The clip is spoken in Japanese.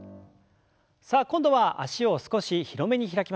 さあ今度は脚を少し広めに開きます。